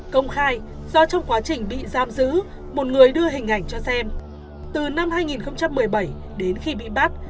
công khai do trong quá trình bị giam giữ một người đưa hình ảnh cho xem từ năm hai nghìn một mươi bảy đến khi bị bắt